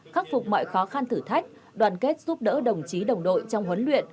khắc phục mọi khó khăn thử thách đoàn kết giúp đỡ đồng chí đồng đội trong huấn luyện